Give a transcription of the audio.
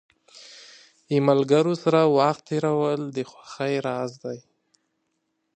له ملګرو سره وخت تېرول د خوښۍ راز دی.